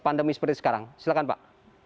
pandemi seperti sekarang silahkan pak